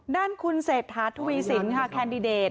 ด้านคุณเศรษฐาทวีสินค่ะแคนดิเดต